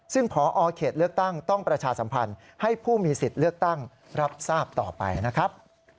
ซึ่งพอเขตเลือกตั้งต้องประชาสัมพันธ์ให้ผู้มีสิทธิ์เลือกตั้งรับทราบต่อไปนะครับ